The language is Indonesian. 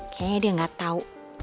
kayanya dia gatau